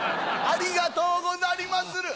ありがとうござりまする。